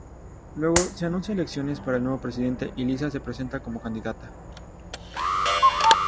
Luego, se anuncian elecciones para el nuevo presidente y Lisa se presenta como candidata.